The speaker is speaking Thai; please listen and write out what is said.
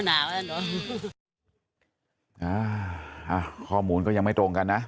อ่าข้อมูลก็ยังไม่ตรงกันนะ